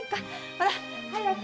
ほら早く！